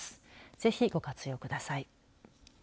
ぜひ、ご活用ください。